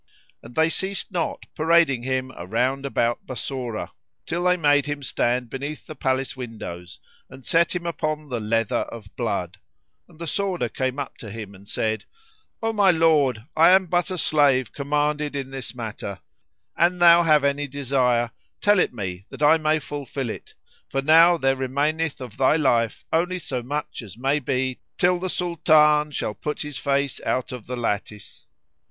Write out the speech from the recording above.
And they ceased not parading him round about Bassorah, till they made him stand beneath the palace windows and set him upon the leather of blood,[FN#74] and the sworder came up to him and said, "O my lord, I am but a slave commanded in this matter: an thou have any desire, tell it me that I may fulfil it, for now there remaineth of they life only so much as may be till the Sultan shall put his face out of the lattice."